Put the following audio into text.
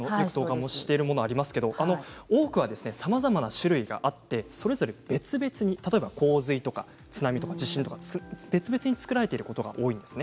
多くはさまざまな種類があってそれぞれ別々に例えば、洪水とか津波とか地震とか別々に作られていることが多いんですね。